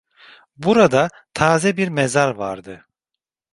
Burada taze bir mezar vardı.